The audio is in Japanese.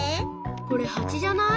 これハチじゃない？